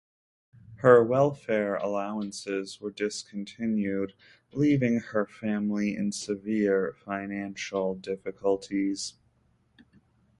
Her welfare allowances were discontinued, leaving her family in severe financial difficulties.